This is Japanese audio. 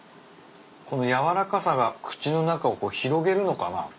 この軟らかさが口の中を広げるのかな。